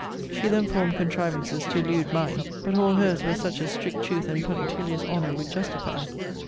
She then formed contrivances to elude mine; but all her's were such as strict truth and punctilious honour would justify.